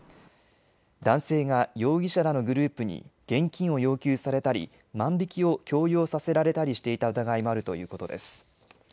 男性が容疑者らのグループに現金を要求されたり万引きを強要させられたりしていた疑いもあるということです。